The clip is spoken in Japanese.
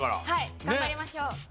はい頑張りましょう。